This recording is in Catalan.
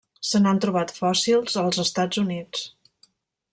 Se n'han trobat fòssils als Estats Units.